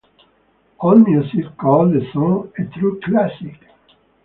Allmusic called the song a "true classic".